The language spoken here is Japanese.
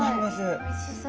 おいしそう。